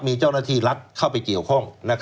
มีเจ้าหน้าที่รัฐเข้าไปเกี่ยวข้อง